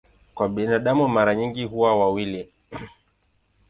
Kwa binadamu mara nyingi huwa wawili.